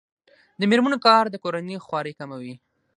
د میرمنو کار د کورنۍ خوارۍ کموي.